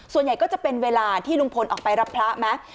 ส่วนใหญ่ก็จะเป็นเวลาที่ลุงพลออกไปรับพระไหม